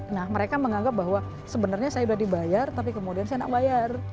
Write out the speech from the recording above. nah mereka menganggap bahwa sebenarnya saya sudah dibayar tapi kemudian saya tidak bayar